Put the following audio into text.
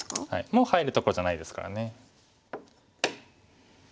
もう入るところじゃないですからね。